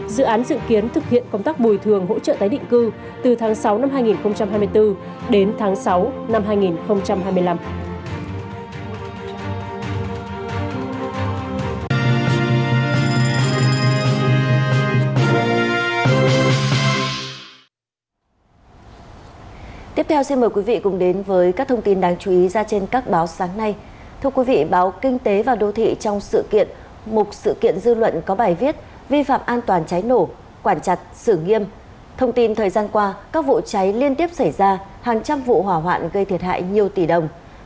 dự án dự kiến thực hiện công tác bồi thường hỗ trợ tái định cư từ tháng sáu năm hai nghìn hai mươi bốn đến tháng sáu năm hai nghìn hai mươi năm